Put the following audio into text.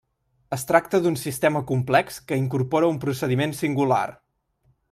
Es tracta d'un sistema complex que incorpora un procediment singular.